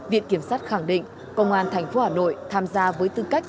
viện kiểm sát khẳng định công an thành phố hà nội tham gia với tư cách